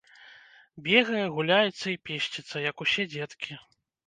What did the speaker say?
Бегае, гуляецца і песціцца, як усе дзеткі.